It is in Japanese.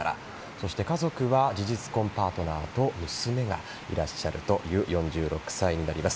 そして家族は事実婚パートナーと娘がいらっしゃるという４６歳になります。